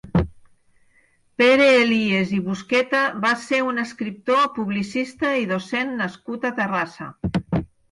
Pere Elies i Busqueta va ser un escriptor, publicista i docent nascut a Terrassa.